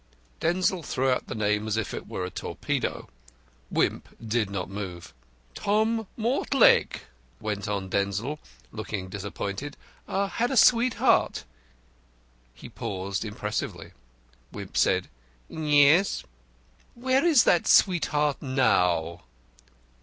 Denzil threw out the name as if it were a torpedo. Wimp did not move. "Tom Mortlake," went on Denzil, looking disappointed, "had a sweetheart." He paused impressively. Wimp said, "Yes?" "Where is that sweetheart now?"